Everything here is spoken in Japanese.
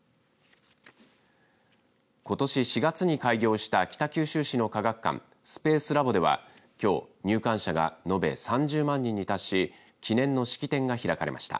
ことし４月に開業した北九州市の科学館スペースＬＡＢＯではきょう入館者が延べ３０万人に達し記念の式典が開かれました。